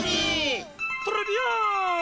トレビアーン！